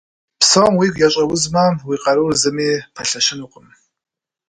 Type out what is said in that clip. Псоми уигу ящӏэузмэ, уи къарур зыми пэлъэщынукъым.